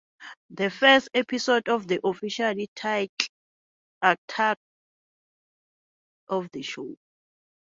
The first episode of the officially titled Attack of the Show!